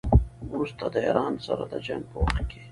وروسته د ایران سره د جنګ په وخت کې.